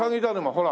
ほら。